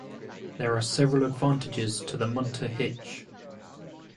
There are several advantages to the Munter Hitch.